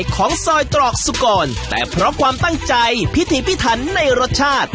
ของซอยตรอกสุกรแต่เพราะความตั้งใจพิถีพิถันในรสชาติ